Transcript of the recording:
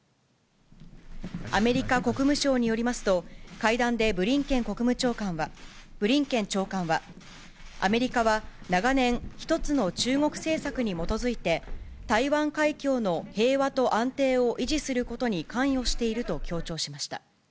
アメリカ国務省によりますと、会談でブリンケン長官は、アメリカは長年、一つの中国政策に基づいて、台湾海峡の平和と安定を維持することに関与していると強調しました。